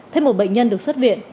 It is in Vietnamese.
thêm một bệnh nhân được xuất viện